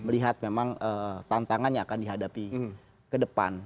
melihat memang tantangan yang akan dihadapi ke depan